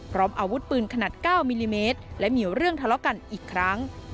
พร้อมอาวุธปืนขนาด๙มิลลิเมตรและมีเรื่องทะเลาะกันอีกครั้ง